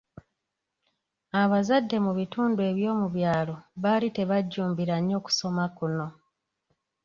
Abazadde mu bitundu eby’omu byalo baali tebajjumbira nnyo kusoma kuno.